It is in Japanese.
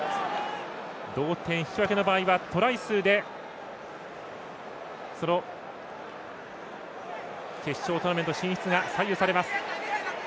両者引き分けの場合はトライ数でその決勝トーナメント進出が左右されます。